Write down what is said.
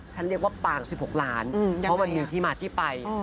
ฉันเรียกว่าปาง๑๖ล้านเพราะมันมีที่มาที่ไป